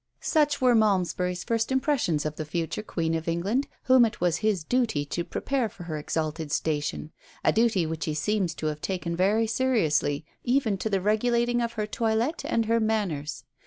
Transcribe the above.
Such were Malmesbury's first impressions of the future Queen of England, whom it was his duty to prepare for her exalted station a duty which he seems to have taken very seriously, even to the regulating of her toilette and her manners.